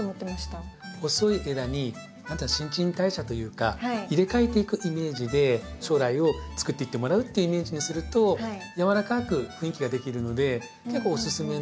細い枝に新陳代謝というか入れ替えていくイメージで将来をつくっていってもらうっていうイメージにするとやわらかく雰囲気ができるので結構おすすめのせん定方法になりますね。